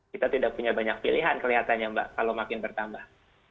kita tidak punya banyak pilihan kelihatannya mbak kalau makin bertambah